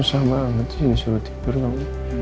susah banget sih disuruh tidur dong